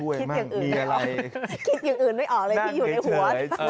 คิดอย่างอื่นไม่ออกเลยพี่อยู่ในหัว